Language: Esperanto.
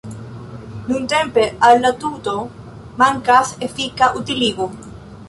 Nuntempe al la tuto mankas efika utiligo.